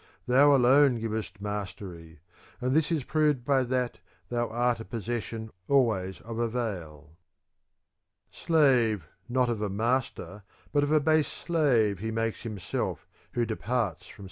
^ Thou alone givest mastery ; and this is proved by that thou art a posses sion always of avail.* III Slave not of a master but of a base slave he makes himself who departs from such a hand maid.